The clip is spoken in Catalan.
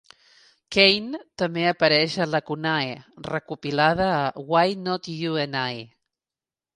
Kane també apareix a "Lacunae", recopilada a "Why Not You and I?".